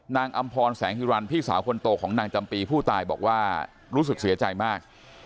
อำพรแสงฮิรันพี่สาวคนโตของนางจำปีผู้ตายบอกว่ารู้สึกเสียใจมาก